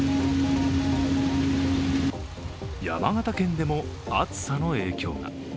山形県でも暑さの影響が。